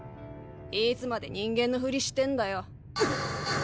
いつまで人間のふりしてんだよ。